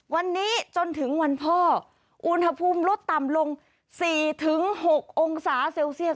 วันนี้จนถึงวันพ่ออุณหภูมิลดต่ำลง๔๖องศาเซลเซียส